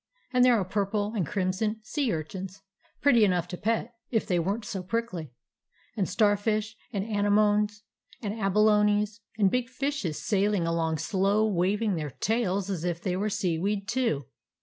And there are purple and crim son sea urchins, pretty enough to pet, if they were n't so prickly ; and starfish and anemones and abalones, and big fishes sailing along slow, waving their tails as if they were seaweed, too.